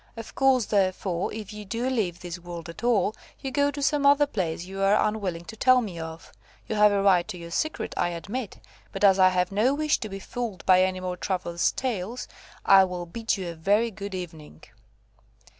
Of course, therefore, if you do leave this world at all, you go to some other place you are unwilling to tell me of. You have a right to your secret, I admit; but as I have no wish to be fooled by any more travellers' tales, I will bid you a very good evening."